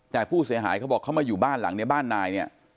แต่ผู้เสียหายเขาบอกเขามาอยู่บ้านหลังนี้บ้านนายเนี่ย